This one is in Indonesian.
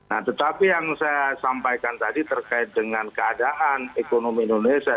nah tetapi yang saya sampaikan tadi terkait dengan keadaan ekonomi indonesia